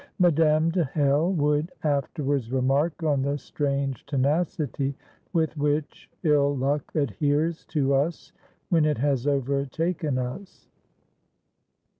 Madame de Hell would afterwards remark on the strange tenacity with which ill luck adheres to us when it has overtaken us.